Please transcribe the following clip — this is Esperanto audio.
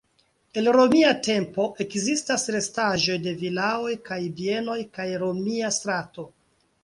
El romia tempo ekzistas restaĵoj de vilaoj kaj bienoj kaj romia strato.